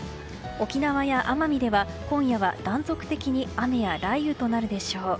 沖縄や奄美では今夜は断続的に雨や雷雨となるでしょう。